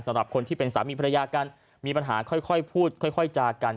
สำหรับคนที่เป็นสามีภรรยากันมีปัญหาค่อยพูดค่อยจากัน